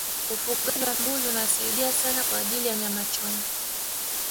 ufugaji wa mbuzi unasiadia sana kwa ajili ya nyama choma